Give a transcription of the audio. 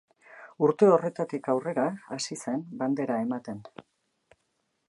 Urte horretatik aurrera hasi zen Bandera ematen.